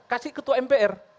kasih ketua mpr